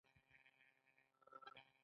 ټیم ورک ولې اغیزمن دی؟